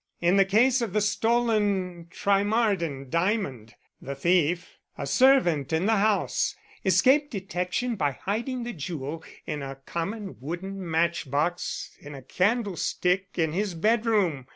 "In the case of the stolen Trimarden diamond, the thief a servant in the house escaped detection by hiding the jewel in a common wooden match box in a candlestick in his bedroom.